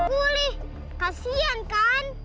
guli kasian kan